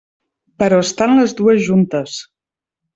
Però estan les dues juntes.